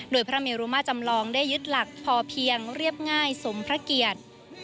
โดยพระเมรุมาจำลองได้ยึดหลักพอเพียงเรียบง่ายสมพระเกียรติ